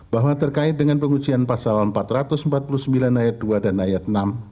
bahwa terkait dengan pengujian pasal empat ratus empat puluh sembilan ayat dua dan ayat enam